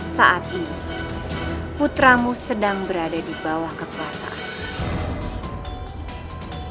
saat ini putramu sedang berada di bawah kekuasaan